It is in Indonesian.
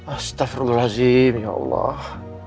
astagfirullahaladzim ya allah